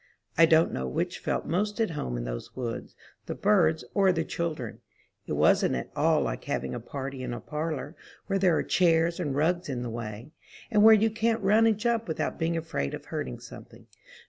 I don't know which felt most at home in those woods, the birds or the children. It wasn't at all like having a party in a parlor, where there are chairs and rugs in the way; and where you can't run and jump without being afraid of hurting something.